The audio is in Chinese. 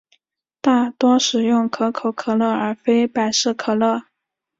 大多使用可口可乐而非百事可乐。